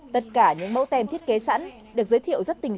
tất cả những mẫu tem thiết kế sẵn được giới thiệu rất tình cảm